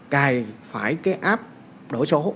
cài phải cái app đổi số